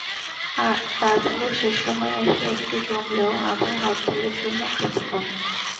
তার পরও শেষ সময়ে এসে একটু জমলেও আবার হরতালের জন্য ক্রেতা কম।